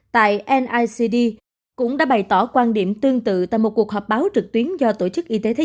tại nicd cũng đã bày tỏ quan điểm tương tự tại một cuộc họp báo trực tuyến do tổ chức y tế thế